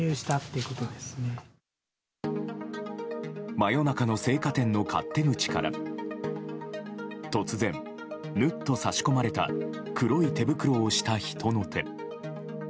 真夜中の青果店の勝手口から突然、ぬっと差し込まれた黒い手袋をした人の手。